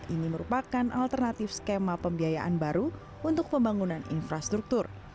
ini merupakan alternatif skema pembiayaan baru untuk pembangunan infrastruktur